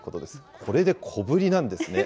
これで小ぶりなんですね。